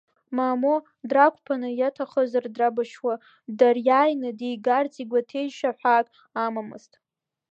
Мамоу, драқәԥаны, иаҭахызар драбашьуа дыриааины, дигарц игәаҭеишьа ҳәаак амамызт.